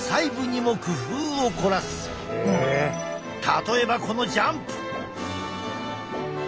例えばこのジャンプ。